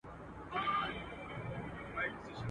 تورو سترګو ته دي وایه چي زخمي په زړګي یمه.